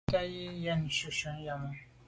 Tàa yen shunshun yàme.